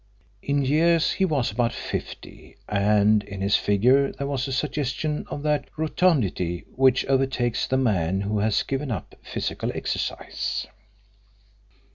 In years he was about fifty, and in his figure there was a suggestion of that rotundity which overtakes the man who has given up physical exercise.